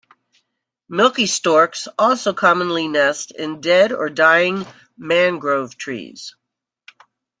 Milky storks also commonly nest in dead or dying mangrove trees.